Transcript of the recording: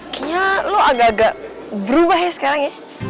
kayaknya lo agak agak berubah ya sekarang ya